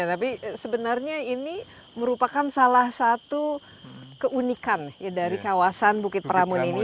tapi sebenarnya ini merupakan salah satu keunikan ya dari kawasan bukit pramun ini